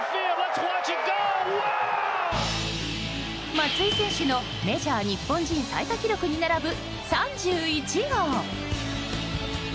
松井選手のメジャー日本人最多記録に並ぶ３１号。